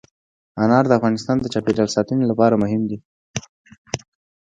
انار د افغانستان د چاپیریال ساتنې لپاره مهم دي.